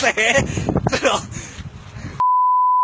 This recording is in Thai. ว่าด้วย